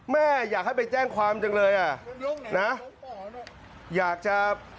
ไม่มีใครมาแก้กดตู้แกประมาณนี่ค่ะ